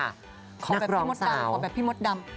นักรองสาวขอแบบพี่มดดำขอแบบพี่มดดำ